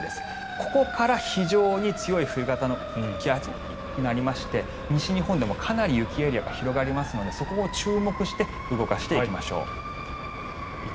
ここから非常に強い冬型の気圧配置になりまして西日本でもかなり雪エリアが広がりますのでそこに注目して動かしていきましょう。